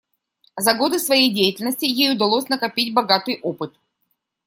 За годы своей деятельности ей удалось накопить богатый опыт.